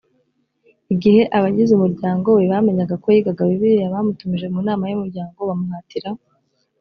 igihe abagize umuryango we bamenyaga ko yigaga bibiliya bamutumije mu nama y umuryango bamuhatira